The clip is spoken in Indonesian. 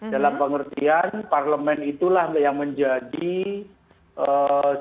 dalam pengertian parlement itulah yang menjadi sumber dan sumber yang terdiri dari negara